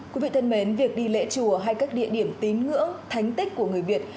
quý vị thân mến việc đi lễ chùa hay các địa điểm tín ngưỡng thánh tích của người việt